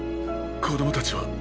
子供たちは？